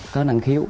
có năng khiếu